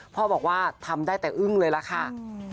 พ่อบอกว่าทำได้แต่อึ้งเลยล่ะค่ะ